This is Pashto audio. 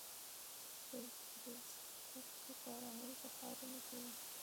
د خښتو کارول په ښارونو کې وو